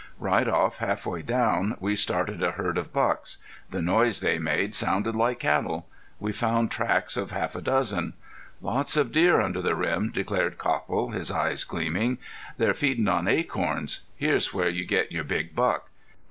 Right off, half way down, we started a herd of bucks. The noise they made sounded like cattle. We found tracks of half a dozen. "Lots of deer under the rim," declared Copple, his eyes gleaming. "They're feedin' on acorns. Here's where you'll get your big buck."